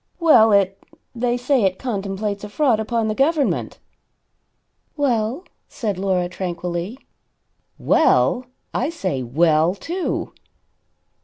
"Well, it they say it contemplates a fraud upon the government." "Well?" said Laura tranquilly. "Well! I say 'Well?' too."